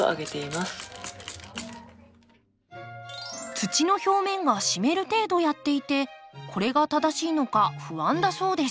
土の表面が湿る程度やっていてこれが正しいのか不安だそうです。